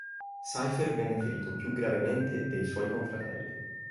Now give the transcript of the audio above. Cypher venne ferito più gravemente dei suoi confratelli.